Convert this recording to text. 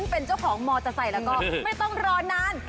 ถ้าเป็นเจ้าของมอจะใส่แล้วก็ไม่ต้องรอนาน